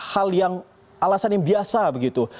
hal yang alasan yang biasa begitu